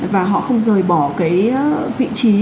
và họ không rời bỏ cái vị trí